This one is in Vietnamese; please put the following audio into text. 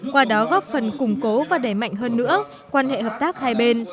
qua đó góp phần củng cố và đẩy mạnh hơn nữa quan hệ hợp tác hai bên